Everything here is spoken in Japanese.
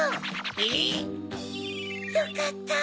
えっ⁉よかった！